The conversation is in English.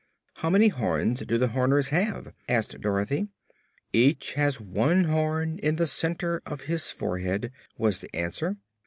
"How many horns do the Horners have?" asked Dorothy. "Each has one horn in the center of his forehead," was the answer.